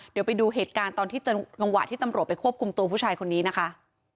เดี๋ยวไปดูเหตุการณ์ตอนที่จังหวะที่ตำรวจไปควบคุมตัวผู้ชายคนนี้นะคะ